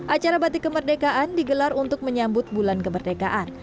acara batik kemerdekaan digelar untuk menyambut bulan kemerdekaan